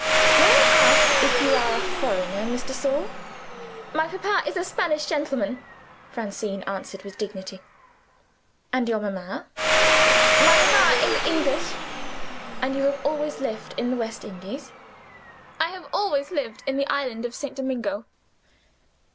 May I ask if you are a foreigner, Miss de Sor?" "My papa is a Spanish gentleman," Francine answered, with dignity. "And your mamma?" "My mamma is English." "And you have always lived in the West Indies?" "I have always lived in the Island of St. Domingo."